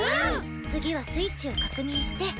次はスイッチを確認して。